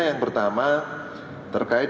yang pertama terkait